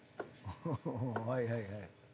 うんはいはいはい。